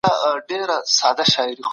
تا د خپل ورک سوي دوست لټه وکړه.